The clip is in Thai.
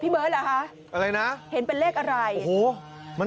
๖พี่เบิ้ลล่ะฮะ